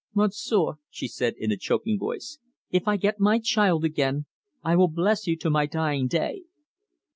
"Monsieur," she said, in a choking voice, "if I get my child again, I will bless you to my dying day."